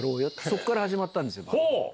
そっから始まったんですよ。